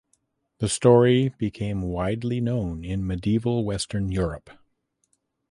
The story became widely known in medieval western Europe.